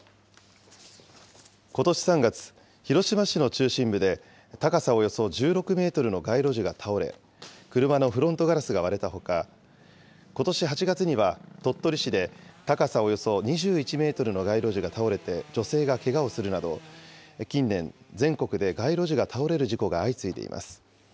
ことし３月、広島市の中心部で、高さおよそ１６メートルの街路樹が倒れ、車のフロントガラスが割れたほか、ことし８月には、鳥取市で高さおよそ２１メートルの街路樹が倒れて、女性がけがをするなど、近年、全国で街路樹が倒れる事故が相次いでいます。